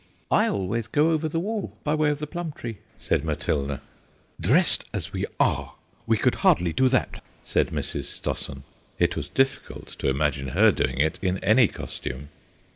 "I always go over the wall, by way of the plum tree," said Matilda. "Dressed as we are we could hardly do that," said Mrs. Stossen; it was difficult to imagine her doing it in any costume.